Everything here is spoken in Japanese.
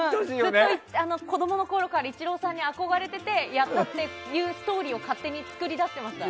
絶対、子供のころからイチローさんに憧れててやったっていうストーリーを勝手に作り出していました。